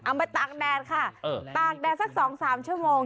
เอาไปตากแดดค่ะตากแดดสักสองสามชั่วโมง